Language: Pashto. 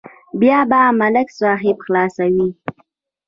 بیا به ملک صاحب خلاصوي.